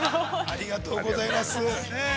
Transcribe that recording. ◆ありがとうございます。